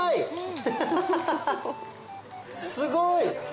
すごい！